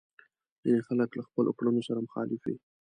ځينې خلک له خپلو کړنو سره مخالف وي.